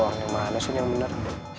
doang yang mana sih yang bener